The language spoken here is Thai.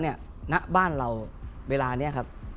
ณบ้านเราเวลานี้ครับ